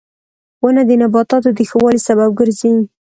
• ونه د نباتاتو د ښه والي سبب ګرځي.